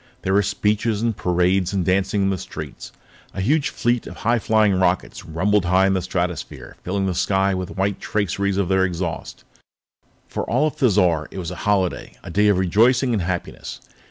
There were speeches and parades and dancing in the streets. A huge fleet of high flying rockets rumbled high in the stratosphere, filling the sky with the white traceries of their exhausts. For all of Thizar, it was a holiday, a day of rejoicing and happiness.